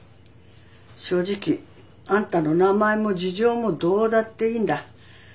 正直あんたの名前も事情もどうだっていいんだ。